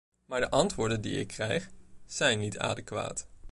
Maar de antwoorden die ik krijg, zijn niet adequaat.